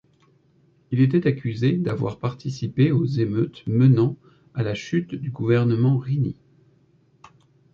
Il était accusé d'avoir participé aux émeutes menant à la chute du gouvernement Rini.